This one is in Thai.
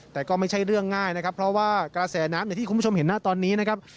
แต่ก็ไม่ใช่เรื่องง่ายนะครับเพราะว่ากระแสน้ำอย่างที่คุณผู้ชมเห็นหน้าตอนนี้นะครับ